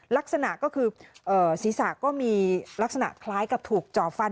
ลักษณะก็คือศีรษะก็มีลักษณะคล้ายกับถูกจ่อฟัน